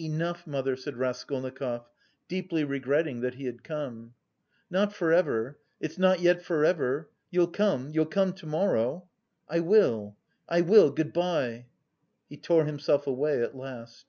"Enough, mother," said Raskolnikov, deeply regretting that he had come. "Not for ever, it's not yet for ever? You'll come, you'll come to morrow?" "I will, I will, good bye." He tore himself away at last.